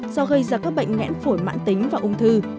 do gây ra các bệnh nghẽn phổi mãn tính và ung thư